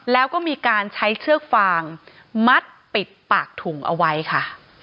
แล้วก็มีการใช้เชือกฟางมัดปิดปากถุงเอาไว้ค่ะ